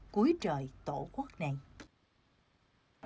cuối trời tổ quốc này